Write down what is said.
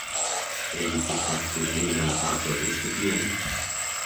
Er ließ sich vom "Tuonela"-Artwork inspirieren.